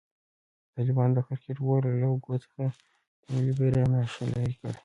طالبانو د کرکټ بورډ له لوګو څخه د ملي بيرغ نخښه لېري کړه.